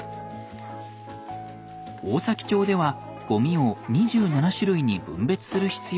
大崎町ではゴミを２７種類に分別する必要があるのです。